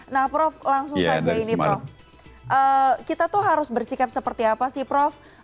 nah prof langsung saja ini prof kita tuh harus bersikap seperti apa sih prof